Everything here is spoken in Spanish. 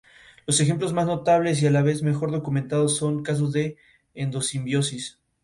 Este hecho le llevó a considerar trasladarse a una zona de clima más benigno.